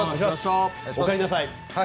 おかえりなさい。